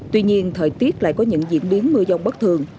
tuy nhiên thời tiết lại có những diễn biến mưa dông bất thường